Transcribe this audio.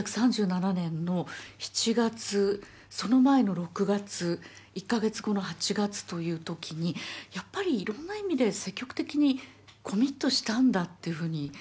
１９３７年の７月その前の６月１か月後の８月という時にやっぱりいろんな意味で積極的にコミットしたんだというふうに改めて思いました。